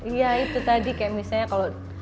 iya itu tadi kayak misalnya kalau